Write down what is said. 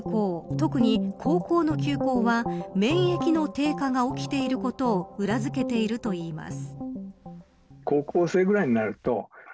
特に、高校の休校は免疫の低下が起きていることを裏付けているといいます。